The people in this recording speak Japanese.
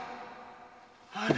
あれ？